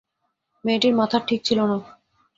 মেয়েটির মাথার ঠিক ছিল না।